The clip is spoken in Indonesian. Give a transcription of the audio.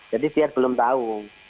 jadi biar belum tahu